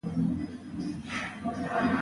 سیلانی ځایونه د افغانستان د پوهنې نصاب کې شامل دي.